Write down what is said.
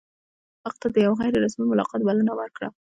هغه ته د یوه غیر رسمي ملاقات بلنه ورکړه.